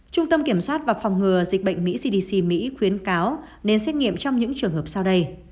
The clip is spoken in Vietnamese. trung tâm kiểm soát và phòng ngừa dịch bệnh mỹ cdc mỹ khuyến cáo nên xét nghiệm trong những trường hợp sau đây